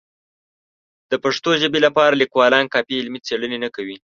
د پښتو ژبې لپاره لیکوالان کافي علمي څېړنې نه کوي.